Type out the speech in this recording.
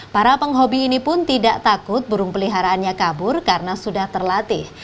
para penghobi ini pun tidak takut burung peliharaannya kabur karena sudah terlatih